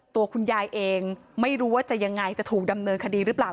ตัวคุณยายเองไม่รู้ว่าจะยังไงจะถูกดำเนินคดีหรือเปล่า